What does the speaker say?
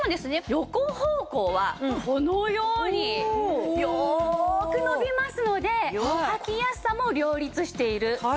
横方向はこのようによく伸びますのではきやすさも両立しているという事なんです。